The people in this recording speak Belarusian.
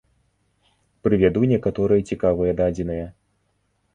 Прывяду некаторыя цікавыя дадзеныя.